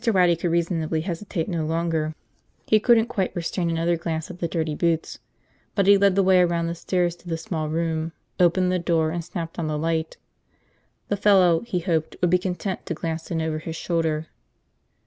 Waddy could reasonably hesitate no longer. He couldn't quite restrain another glance at the dirty boots. But he led the way around the stairs to the small room, opened the door, and snapped on the light. The fellow, he hoped, would be content to glance in over his shoulder.